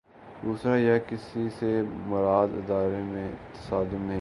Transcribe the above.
دوسرا یہ کہ اس سے مراد اداروں میں تصادم نہیں ہے۔